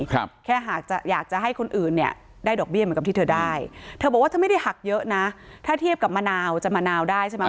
แค่หากจะอยากจะให้คนอื่นเนี่ยได้ดอกเบี้ยเหมือนกับที่เธอได้เธอบอกว่าเธอไม่ได้หักเยอะนะถ้าเทียบกับมะนาวจะมะนาวได้ใช่ไหม